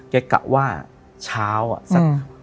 แกกะว่าเช้าอ่ะอืม